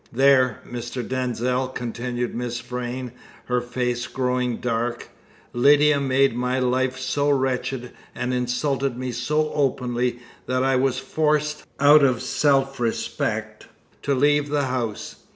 "There, Mr. Denzil," continued Miss Vrain, her face growing dark, "Lydia made my life so wretched, and insulted me so openly, that I was forced, out of self respect, to leave the house.